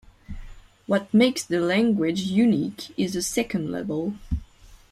What makes the language unique is the second level.